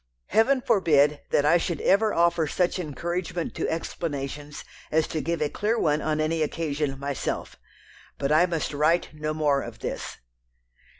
Heaven forbid that I should ever offer such encouragement to explanations as to give a clear one on any occasion myself! But I must write no more of this."